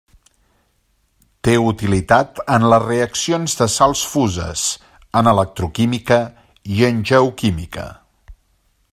Té utilitat en les reaccions de sals fuses, en electroquímica i en geoquímica.